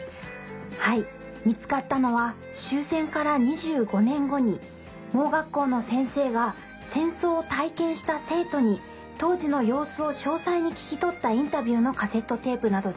はい見つかったのは終戦から２５年後に盲学校の先生が戦争を体験した生徒に当時の様子を詳細に聞き取ったインタビューのカセットテープなどです。